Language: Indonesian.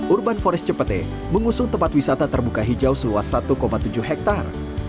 urban forest cepete mengusung tempat wisata terbuka hijau seluas satu tujuh hektare